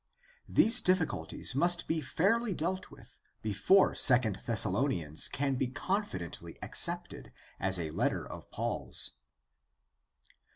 These difficulties must be fairly dealt with before II Thessalonians can be confidently accepted as a letter of Paul's.